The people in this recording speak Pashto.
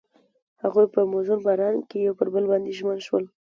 هغوی په موزون باران کې پر بل باندې ژمن شول.